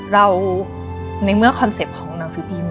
ในเมื่อคอนเซ็ปต์ของหนังสือพิมพ์